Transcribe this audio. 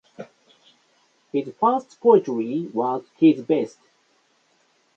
His first poetry was his best.